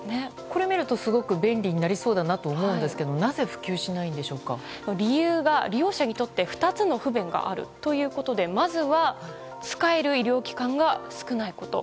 これを見るとすごく便利になりそうだなと思うんですが理由が、利用者にとって２つの不便があるということでまずは、使える医療機関が少ないこと。